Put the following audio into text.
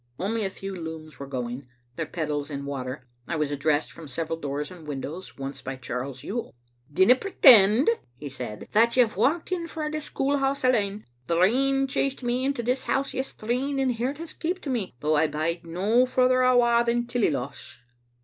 Only a few looms were going, their pedals in water. I was addressed from several doors and windows, once by Charles Yuill. "Dinna pretend," he said, "that you've walked in frae the school house alane. The rain chased me into this house yestreen, and here it has keeped me, though I bide no further awa than Tillyloss.